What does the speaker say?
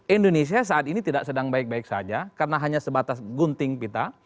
indonesia saat ini tidak sedang baik baik saja karena hanya sebatas gunting pita